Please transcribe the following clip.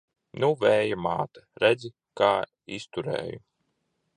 Nu, Vēja māte, redzi, kā izturēju!